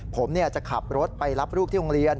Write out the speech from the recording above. ผมจะขับรถไปรับลูกที่โรงเรียน